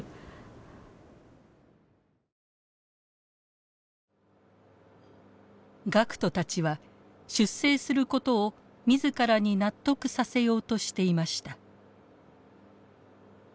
だからこういった学徒たちは出征することを自らに納得させようとしていました。